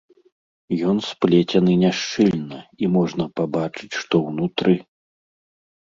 Ён сплецены няшчыльна, і можна пабачыць, што ўнутры.